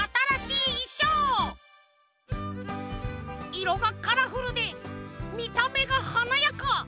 いろがカラフルでみためがはなやか！